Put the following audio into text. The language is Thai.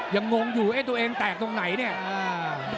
งงอยู่เอ๊ะตัวเองแตกตรงไหนเนี่ย